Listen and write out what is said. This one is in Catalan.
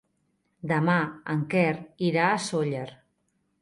Demà en Quer irà a Sóller.